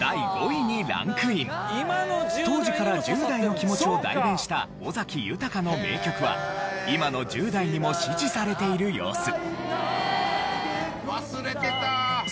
当時から１０代の気持ちを代弁した尾崎豊の名曲は今の１０代にも支持されている様子。